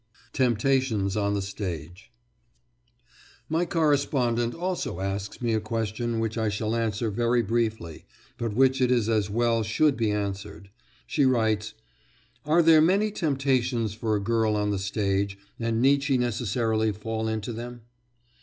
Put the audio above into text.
TEMPTATIONS ON THE STAGE My correspondent also asks me a question which I shall answer very briefly, but which it is as well should be answered; She writes, "Are there many temptations for a girl on the stage, and need she necessarily fall into them?"